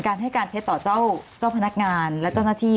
ให้การเท็จต่อเจ้าพนักงานและเจ้าหน้าที่